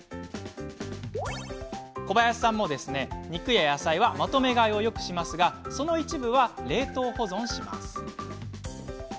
小林さんも肉や野菜はまとめ買いをよくしますがその一部は冷凍保存します。